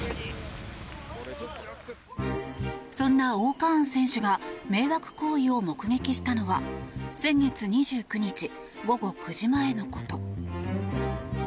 そんな−Ｏ−カーン選手が迷惑行為を目撃したのは先月２９日午後９時前のこと。